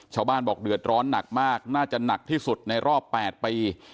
ชาวบ้านบอกเดือดร้อนหนักมากน่าจะหนักที่สุดในรอบ๘ปี